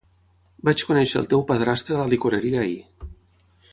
Vaig conèixer el teu padrastre a la licoreria ahir.